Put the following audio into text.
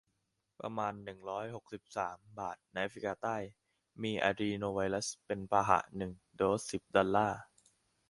ประมาณ หนึ่งร้อยหกสิบสาม บาท ในแอฟริกาใต้ มีอะดรีโนไวรัสเป็นพาหะ หนึ่ง โดส สิบ ดอลลาร์